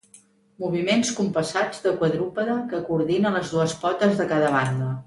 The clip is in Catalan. Moviments compassats de quadrúpede que coordina les dues potes de cada banda.